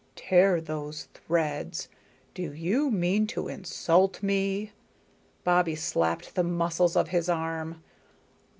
"Tear those threads! Do you mean to insult me?" Bobbie slapped the muscles of his arm.